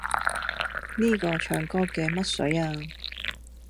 呢個唱歌嘅乜水呀？